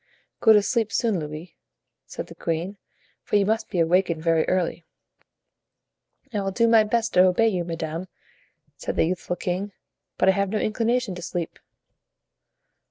"Go to sleep soon, Louis," said the queen, "for you must be awakened very early." "I will do my best to obey you, madame," said the youthful king, "but I have no inclination to sleep."